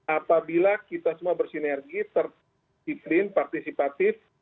apabila kita semua bersinergi tersiplin partisipatif